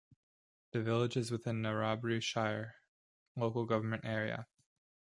The village is within Narrabri Shire local government area.